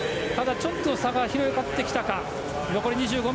ちょっと差が広がってきたか。